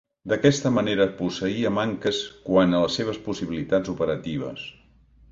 D'aquesta manera posseïa manques quant a les seves possibilitats operatives.